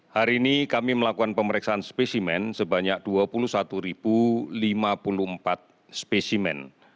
hari ini kami melakukan pemeriksaan spesimen sebanyak dua puluh satu lima puluh empat spesimen